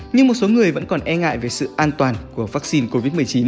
nhưng một số người vẫn còn e ngại về sự an toàn của vaccine covid một mươi chín